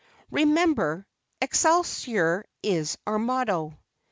Remember, 'Excelsior' is our motto."